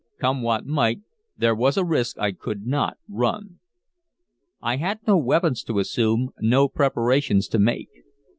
Come what might, there was a risk I could not run. I had no weapons to assume, no preparations to make.